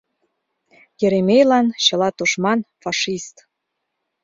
Еремейлан чыла тушман — фашист.